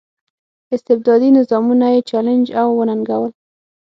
استبدادي نظامونه یې چلنج او وننګول.